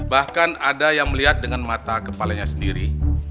bahkan ada yang melihat dengan mata kepalanya sendiri